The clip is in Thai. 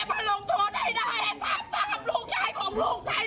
มาลงโทษให้ได้ให้ตามตามลูกชายของลูกใจนะ